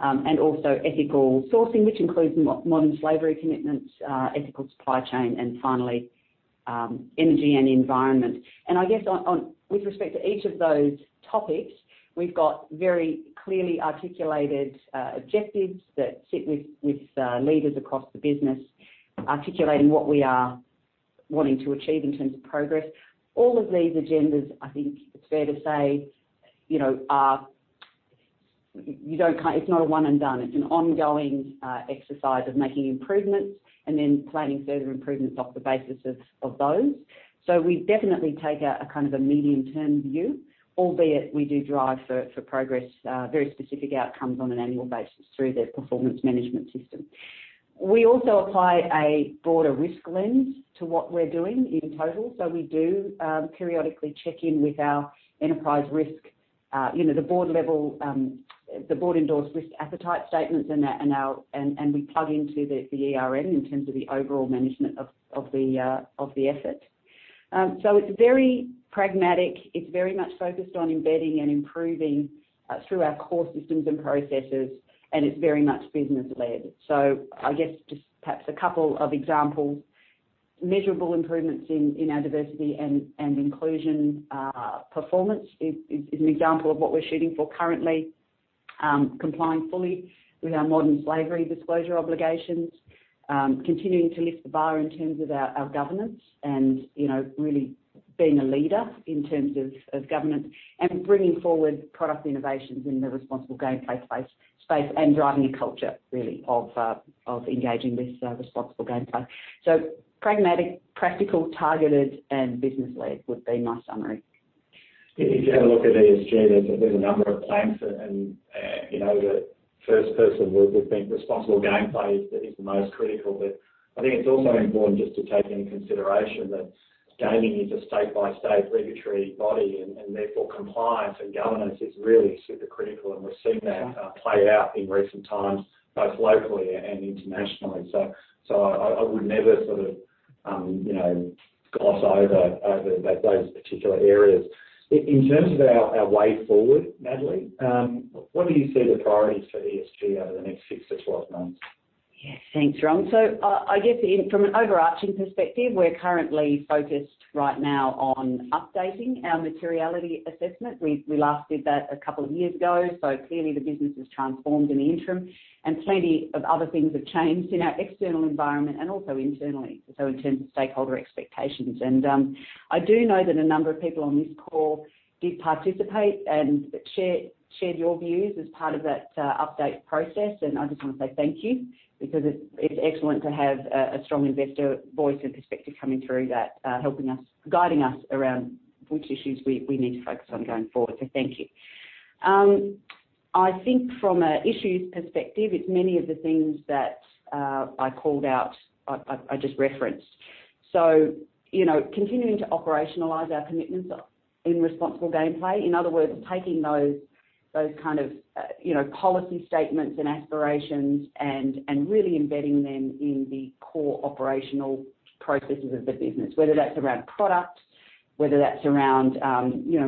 and also ethical sourcing, which includes modern slavery commitments, ethical supply chain, and finally, energy and environment. I guess with respect to each of those topics, we've got very clearly articulated objectives that sit with leaders across the business, articulating what we are wanting to achieve in terms of progress. All of these agendas, I think it's fair to say, it's not a one-and-done. It's an ongoing exercise of making improvements and then planning further improvements off the basis of those. We definitely take a kind of a medium-term view, albeit we do drive for progress, very specific outcomes on an annual basis through the performance management system. We also apply a broader risk lens to what we're doing in total. We do periodically check in with our enterprise risk, the board-level, the board-endorsed risk appetite statements, and we plug into the in terms of the overall management of the effort. It is very pragmatic. It is very much focused on embedding and improving through our core systems and processes. It is very much business-led. I guess just perhaps a couple of examples, measurable improvements in our diversity and inclusion performance is an example of what we're shooting for currently, complying fully with our modern slavery disclosure obligations, continuing to lift the bar in terms of our governance and really being a leader in terms of governance, and bringing forward product innovations in the responsible gameplay space and driving a culture, really, of engaging with responsible gameplay. Pragmatic, practical, targeted, and business-led would be my summary. If you had a look at ESG, there's a number of planks. The first person with being responsible gameplay is the most critical. I think it's also important just to take into consideration that gaming is a state-by-state regulatory body. Therefore, compliance and governance is really super critical. We've seen that play out in recent times, both locally and internationally. I would never sort of gloss over those particular areas. In terms of our way forward, Natalie, what do you see the priorities for ESG over the next 6 to 12 months? Yes, thanks, Rohan. I guess from an overarching perspective, we're currently focused right now on updating our materiality assessment. We last did that a couple of years ago. Clearly, the business has transformed in the interim. Plenty of other things have changed in our external environment and also internally, in terms of stakeholder expectations. I do know that a number of people on this call did participate and shared your views as part of that update process. I just want to say thank you because it's excellent to have a strong investor voice and perspective coming through that, helping us, guiding us around which issues we need to focus on going forward. Thank you. I think from an issues perspective, it's many of the things that I called out, I just referenced. Continuing to operationalize our commitments in responsible gameplay. In other words, taking those kind of policy statements and aspirations and really embedding them in the core operational processes of the business, whether that's around product, whether that's around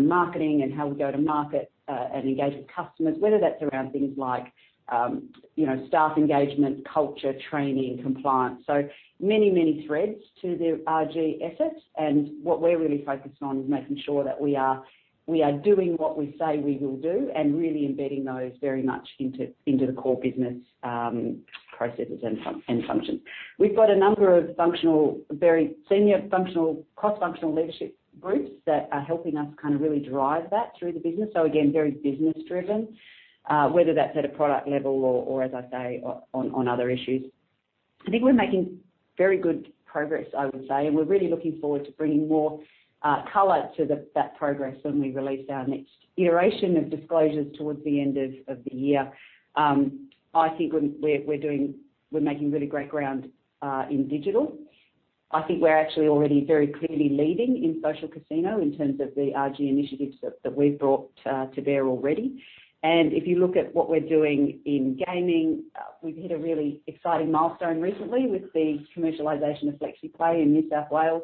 marketing and how we go to market and engage with customers, whether that's around things like staff engagement, culture, training, compliance. Many, many threads to the RG effort. What we're really focused on is making sure that we are doing what we say we will do and really embedding those very much into the core business processes and functions. We've got a number of very senior cross-functional leadership groups that are helping us kind of really drive that through the business. Again, very business-driven, whether that's at a product level or, as I say, on other issues. I think we're making very good progress, I would say. We're really looking forward to bringing more color to that progress when we release our next iteration of disclosures towards the end of the year. I think we're making really great ground in digital. I think we're actually already very clearly leading in social casino in terms of the RG initiatives that we've brought to bear already. If you look at what we're doing in gaming, we've hit a really exciting milestone recently with the commercialization of FlexiPlay in New South Wales.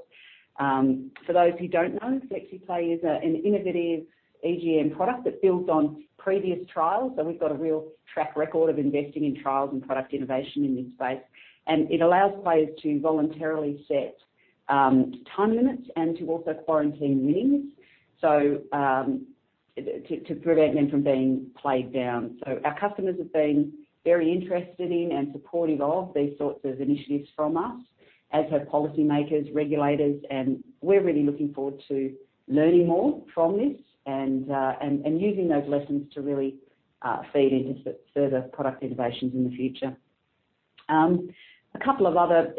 For those who don't know, FlexiPlay is an innovative EGM product that builds on previous trials. We've got a real track record of investing in trials and product innovation in this space. It allows players to voluntarily set time limits and to also quarantine winnings to prevent them from being played down. Our customers have been very interested in and supportive of these sorts of initiatives from us, as have policymakers, regulators. We are really looking forward to learning more from this and using those lessons to really feed into further product innovations in the future. A couple of other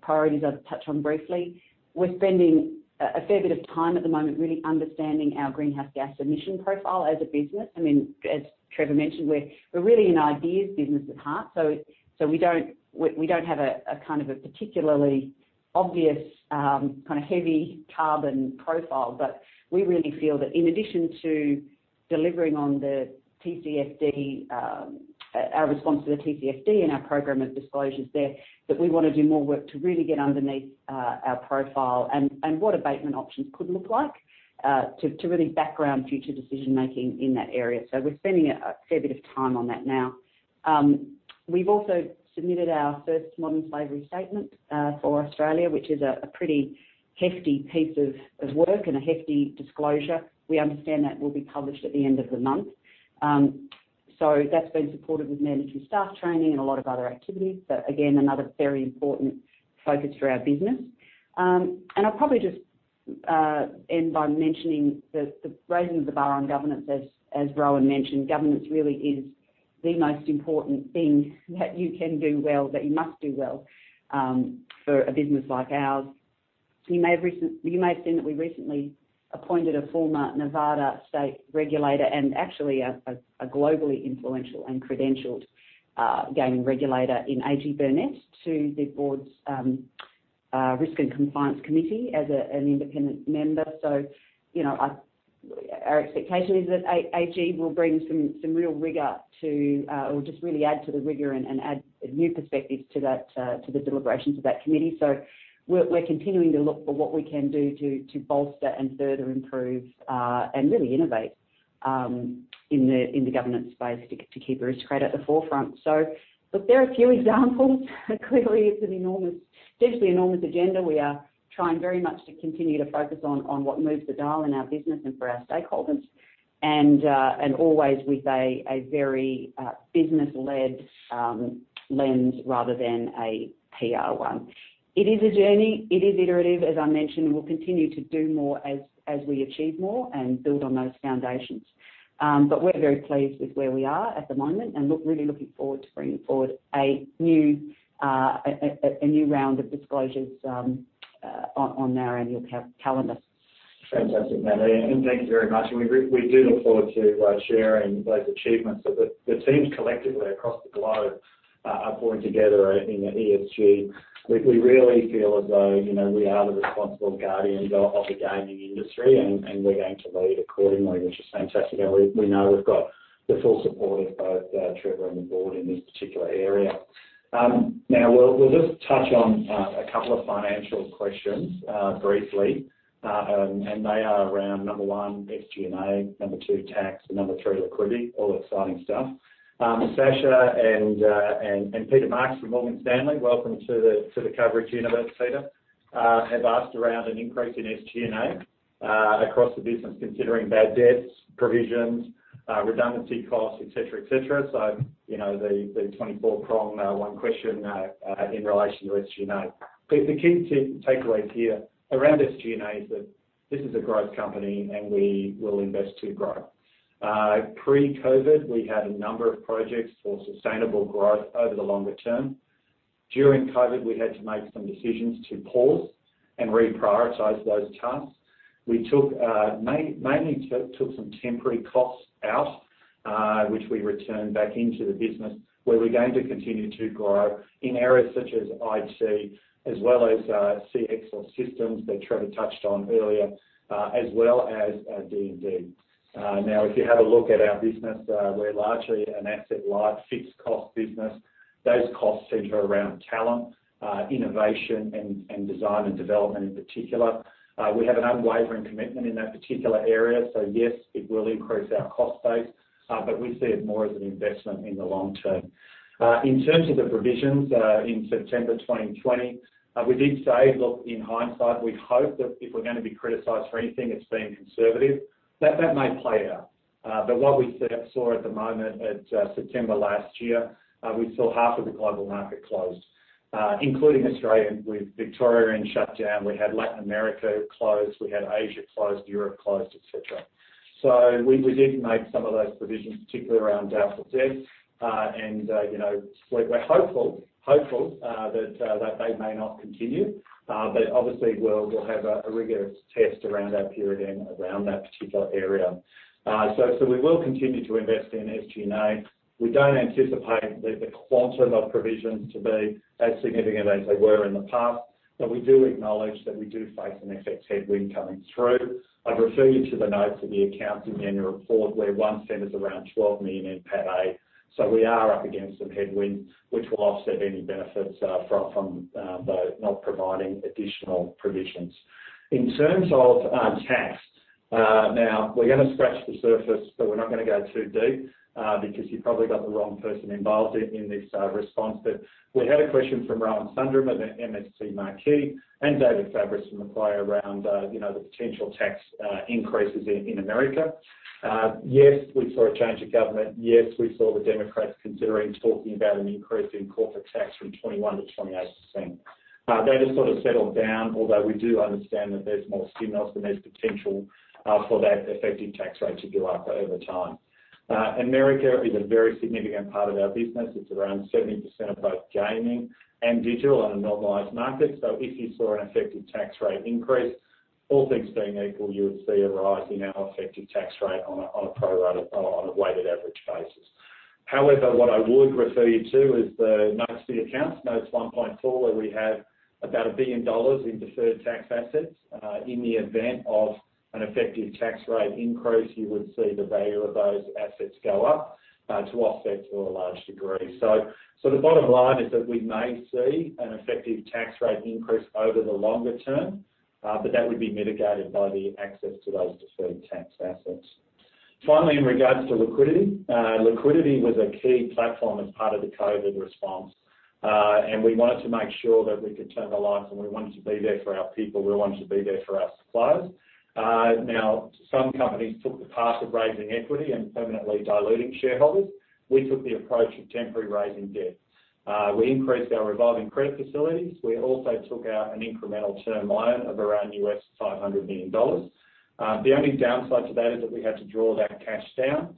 priorities I have touched on briefly. We are spending a fair bit of time at the moment really understanding our greenhouse gas emission profile as a business. I mean, as Trevor mentioned, we are really an ideas business at heart. We do not have a kind of a particularly obvious kind of heavy carbon profile. We really feel that in addition to delivering on our response to the TCFD and our program of disclosures there, we want to do more work to really get underneath our profile and what abatement options could look like to really background future decision-making in that area. We're spending a fair bit of time on that now. We've also submitted our first modern slavery statement for Australia, which is a pretty hefty piece of work and a hefty disclosure. We understand that will be published at the end of the month. That's been supported with mandatory staff training and a lot of other activities. Again, another very important focus for our business. I'll probably just end by mentioning the raising of the bar on governance. As Rohan mentioned, governance really is the most important thing that you can do well, that you must do well for a business like ours. You may have seen that we recently appointed a former Nevada state regulator and actually a globally influential and credentialed gaming regulator in A.G. Burnett to the board's risk and compliance committee as an independent member. Our expectation is that AG will bring some real rigor to or just really add to the rigor and add new perspectives to the deliberations of that committee. We are continuing to look for what we can do to bolster and further improve and really innovate in the governance space to keep Aristocrat at the forefront. There are a few examples. Clearly, it is a hugely enormous agenda. We are trying very much to continue to focus on what moves the dial in our business and for our stakeholders. Always with a very business-led lens rather than a PR one. It is a journey. It is iterative, as I mentioned. We will continue to do more as we achieve more and build on those foundations. We are very pleased with where we are at the moment and really looking forward to bringing forward a new round of disclosures on our annual calendar. Fantastic, Natalie. Thank you very much. We do look forward to sharing those achievements. The teams collectively across the globe are pulling together in the ESG. We really feel as though we are the responsible guardians of the gaming industry, and we're going to lead accordingly, which is fantastic. We know we've got the full support of both Trevor and the board in this particular area. Now, we'll just touch on a couple of financial questions briefly. They are around, number one, SG&A, number two, tax, and number three, liquidity. All exciting stuff. Sacha and Peter Marks from Morgan Stanley, welcome to the coverage universe, Peter, have asked around an increase in SG&A across the business, considering bad debts, provisions, redundancy costs, etc., etc. The 24-prong one question in relation to SG&A. The key takeaways here around SG&A is that this is a growth company, and we will invest to grow. Pre-COVID, we had a number of projects for sustainable growth over the longer term. During COVID, we had to make some decisions to pause and reprioritize those tasks. We mainly took some temporary costs out, which we returned back into the business, where we're going to continue to grow in areas such as IT, as well as CX or systems that Trevor touched on earlier, as well as D&D. Now, if you have a look at our business, we're largely an asset-light fixed-cost business. Those costs center around talent, innovation, and design and development in particular. We have an unwavering commitment in that particular area. Yes, it will increase our cost base, but we see it more as an investment in the long term. In terms of the provisions in September 2020, we did say, "Look, in hindsight, we hope that if we're going to be criticized for anything, it's being conservative." That may play out. What we saw at the moment at September last year, we saw half of the global market closed, including Australia. With Victoria in shutdown, we had Latin America closed, we had Asia closed, Europe closed, etc. We did make some of those provisions, particularly around doubtful debts. We're hopeful that they may not continue. Obviously, we'll have a rigorous test around our period and around that particular area. We will continue to invest in SG&A. We don't anticipate the quantum of provisions to be as significant as they were in the past. We do acknowledge that we do face an FX headwind coming through. I'd refer you to the notes of the accounting annual report where one cent is around 12 million in NPATA. We are up against some headwinds, which will offset any benefits from not providing additional provisions. In terms of tax, now, we're going to scratch the surface, but we're not going to go too deep because you've probably got the wrong person involved in this response. We had a question from Rohan Sundram of Macquarie and David Fabris from Macquarie around the potential tax increases in the U.S. Yes, we saw a change of government. Yes, we saw the Democrats considering talking about an increase in corporate tax from 21% to 28%. That has sort of settled down, although we do understand that there's more stimulus and there's potential for that effective tax rate to go up over time. The U.S. is a very significant part of our business. It's around 70% of both gaming and digital on a normalized market. If you saw an effective tax rate increase, all things being equal, you would see a rise in our effective tax rate on a pro rata or on a weighted average basis. However, what I would refer you to is the notes of the accounts, notes 1.4, where we have about $1 billion in deferred tax assets. In the event of an effective tax rate increase, you would see the value of those assets go up to offset to a large degree. The bottom line is that we may see an effective tax rate increase over the longer term, but that would be mitigated by the access to those deferred tax assets. Finally, in regards to liquidity, liquidity was a key platform as part of the COVID response. We wanted to make sure that we could turn the lights, and we wanted to be there for our people. We wanted to be there for our suppliers. Now, some companies took the path of raising equity and permanently diluting shareholders. We took the approach of temporarily raising debt. We increased our revolving credit facilities. We also took out an incremental term loan of around $500 million. The only downside to that is that we had to draw that cash down.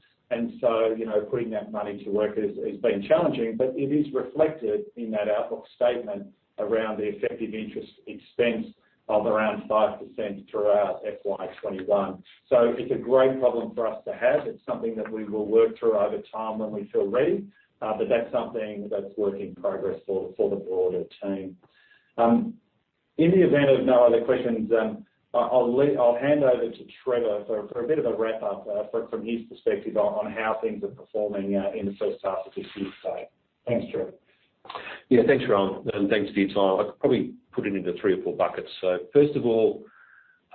Putting that money to work has been challenging. It is reflected in that outlook statement around the effective interest expense of around 5% throughout FY2021. It is a great problem for us to have. It is something that we will work through over time when we feel ready. That is something that is work in progress for the broader team. In the event of no other questions, I'll hand over to Trevor for a bit of a wrap-up from his perspective on how things are performing in the first half of this year's date. Thanks, Trevor. Yeah, thanks, Rohan. Thanks for your time. I could probably put it into three or four buckets. First of all,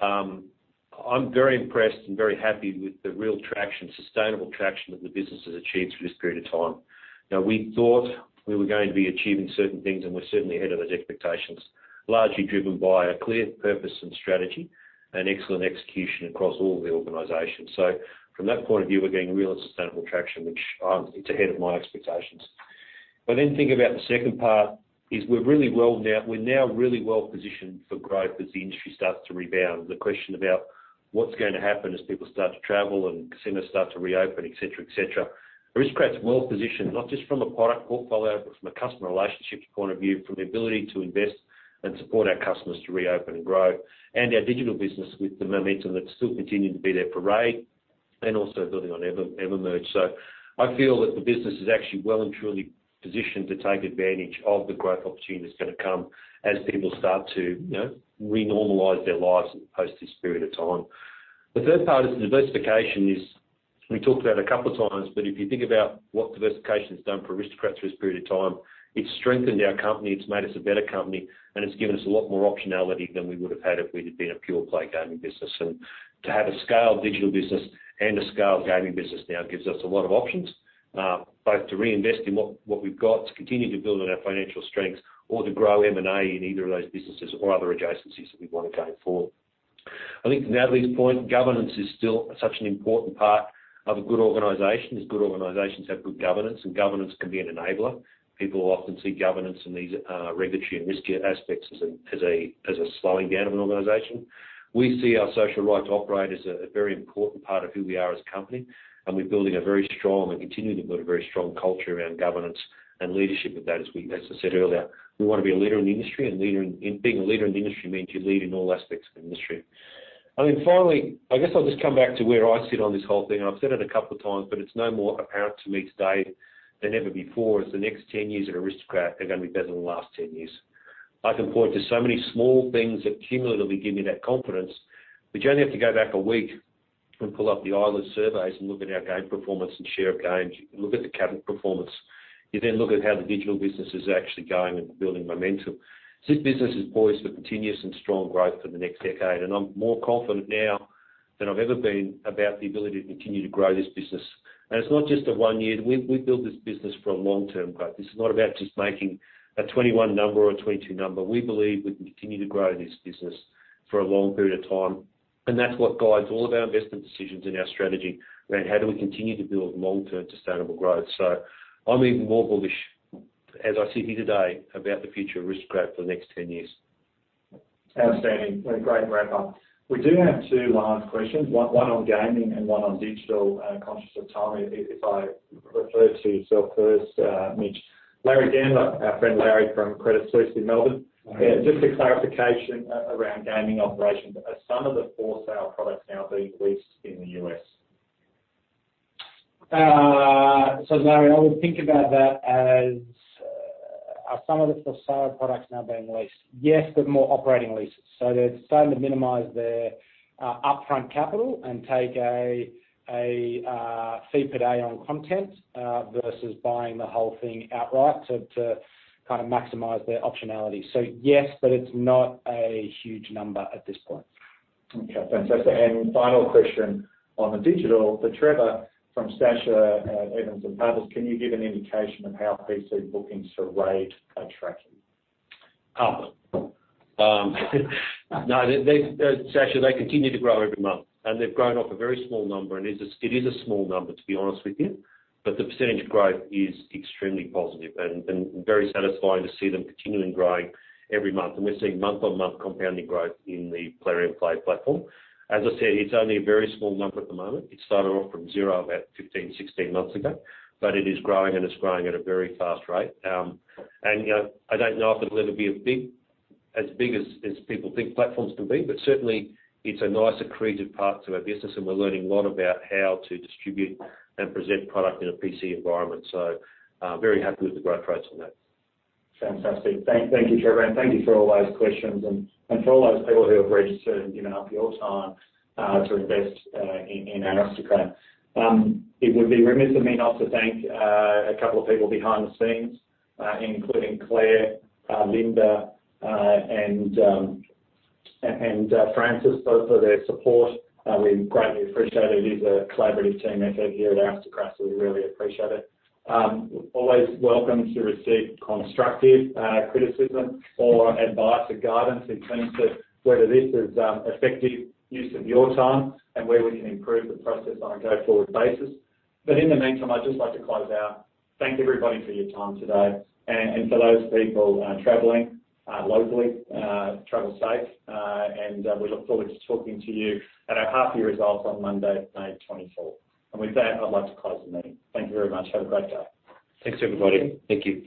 I'm very impressed and very happy with the real traction, sustainable traction that the business has achieved through this period of time. We thought we were going to be achieving certain things, and we're certainly ahead of those expectations, largely driven by a clear purpose and strategy and excellent execution across all the organizations. From that point of view, we're getting real and sustainable traction, which is ahead of my expectations. The second part is we're really well now. We're now really well positioned for growth as the industry starts to rebound. The question about what's going to happen as people start to travel and casinos start to reopen, etc., etc., Aristocrat's well positioned, not just from a product portfolio, but from a customer relationships point of view, from the ability to invest and support our customers to reopen and grow, and our digital business with the momentum that's still continuing to be there for Raid and also building on EverMerge. I feel that the business is actually well and truly positioned to take advantage of the growth opportunity that's going to come as people start to renormalize their lives post this period of time. The third part is the diversification, as we talked about a couple of times, but if you think about what diversification has done for Aristocrat through this period of time, it's strengthened our company. It's made us a better company, and it's given us a lot more optionality than we would have had if we had been a pure-play gaming business. To have a scaled digital business and a scaled gaming business now gives us a lot of options, both to reinvest in what we've got, to continue to build on our financial strengths, or to grow M&A in either of those businesses or other adjacencies that we want to go for. I think to Natalie's point, governance is still such an important part of a good organization as good organizations have good governance, and governance can be an enabler. People will often see governance and these regulatory and risky aspects as a slowing down of an organization. We see our social right to operate as a very important part of who we are as a company, and we're building a very strong and continuing to build a very strong culture around governance and leadership with that. As I said earlier, we want to be a leader in the industry, and being a leader in the industry means you lead in all aspects of the industry. I mean, finally, I guess I'll just come back to where I sit on this whole thing. I've said it a couple of times, but it's no more apparent to me today than ever before as the next 10 years at Aristocrat are going to be better than the last 10 years. I can point to so many small things that cumulatively give me that confidence. We generally have to go back a week and pull up the Eilers reports and look at our game performance and share of games. You look at the cabinet performance. You then look at how the digital business is actually going and building momentum. This business is poised for continuous and strong growth for the next decade, and I'm more confident now than I've ever been about the ability to continue to grow this business. It's not just a one-year. We build this business for long-term growth. This is not about just making a 2021 number or a 2022 number. We believe we can continue to grow this business for a long period of time. That's what guides all of our investment decisions and our strategy around how do we continue to build long-term sustainable growth. I'm even more bullish, as I sit here today, about the future of Aristocrat for the next 10 years. Outstanding. Great wrap. We do have two live questions, one on gaming and one on digital, conscious of time. If I refer to yourself first, Mitch, Larry Gandler, our friend Larry from Credit Suisse in Melbourne. Just a clarification around gaming operations, are some of the for sale products now being leased in the US? Larry, I would think about that as are some of the for sale products now being leased? Yes, but more operating leases. They are starting to minimize their upfront capital and take a fee per day on content versus buying the whole thing outright to kind of maximize their optionality. Yes, but it is not a huge number at this point. Okay. Fantastic. Final question on the digital for Trevor, from Sacha at Evans & Partners, can you give an indication of how PC bookings for Raid are tracking? No, Sacha, they continue to grow every month, and they've grown off a very small number. It is a small number, to be honest with you. The percentage growth is extremely positive and very satisfying to see them continuing growing every month. We're seeing month-on-month compounding growth in the Plarium Play platform. As I said, it's only a very small number at the moment. It started off from zero about 15, 16 months ago, but it is growing, and it's growing at a very fast rate. I don't know if it'll ever be as big as people think platforms can be, but certainly, it's a nice accretive part to our business, and we're learning a lot about how to distribute and present product in a PC environment. Very happy with the growth rates on that. Fantastic. Thank you, Trevor. Thank you for all those questions and for all those people who have registered up your time to invest in Aristocrat. It would be remiss of me not to thank a couple of people behind the scenes, including Claire, Linda, and Francis, both for their support. We greatly appreciate it. It is a collaborative team effort here at Aristocrat, so we really appreciate it. Always welcome to receive constructive criticism or advice or guidance in terms of whether this is effective use of your time and where we can improve the process on a go-forward basis. In the meantime, I'd just like to close out. Thank everybody for your time today and for those people traveling locally. Travel safe, and we look forward to talking to you at our half-year results on Monday, May 24. With that, I'd like to close the meeting. Thank you very much. Have a great day. Thanks, everybody. Thank you.